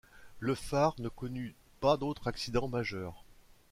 Le phare ne connut pas d'autre accident majeur.